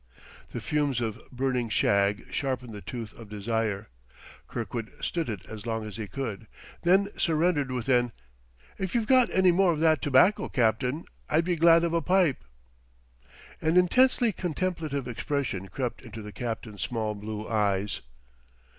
The fumes of burning shag sharpened the tooth of desire. Kirkwood stood it as long as he could, then surrendered with an: "If you've got any more of that tobacco, Captain, I'd be glad of a pipe." An intensely contemplative expression crept into the captain's small blue eyes.